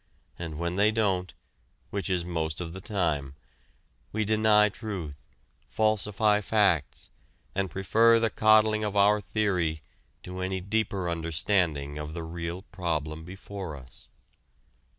And when they don't, which is most of the time, we deny truth, falsify facts, and prefer the coddling of our theory to any deeper understanding of the real problem before us.